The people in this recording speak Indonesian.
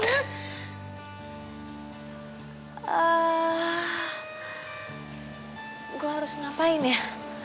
gue harus ngapain ya